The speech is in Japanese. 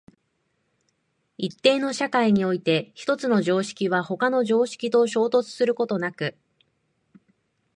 一定の社会において一つの常識は他の常識と衝突することなく、